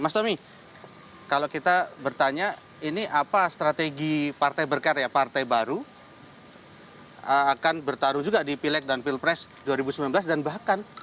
mas tommy kalau kita bertanya ini apa strategi partai berkarya partai baru akan bertarung juga di pileg dan pilpres dua ribu sembilan belas dan bahkan